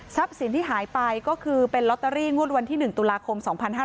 สินที่หายไปก็คือเป็นลอตเตอรี่งวดวันที่๑ตุลาคม๒๕๕๙